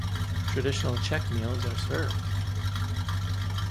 Traditional Czech meals are served.